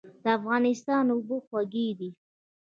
د افغانستان اوبه خوږې دي